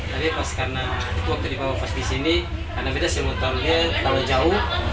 tapi pas karena waktu dibawa pos di sini karena kita simetron dia terlalu jauh